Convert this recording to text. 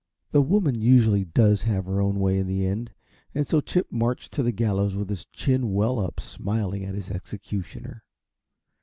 The woman usually does have her own way in the end, and so Chip marched to the gallows with his chin well up, smiling at his executioner.